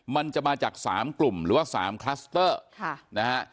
มันจะมาจากสามกลุ่มหรือว่าสามคลัสเตอร์ค่ะนะฮะ